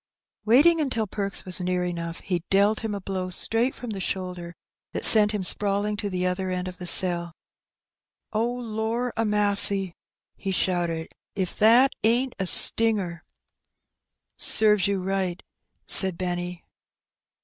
Waiting until Perks was near enough^ he dealt him a blow straight from the shoulder that sent him sprawling to the other end of the cell. ^'Oh^ lor a massy 1'' he shouted^ ''if that ain't a stinger!'' " Serves you right/' said Benny.